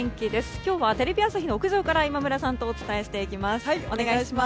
今日はテレビ朝日の屋上から今村さんとお伝えしていきます。